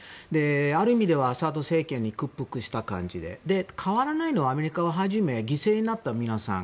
ある意味ではアサド政権に屈服した感じで変わらないのはアメリカをはじめ犠牲になった皆さん。